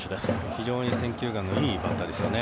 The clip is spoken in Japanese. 非常に選球眼のいいバッターですよね。